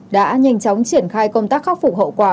đã nhanh chóng triển khai công tác khắc phục hậu quả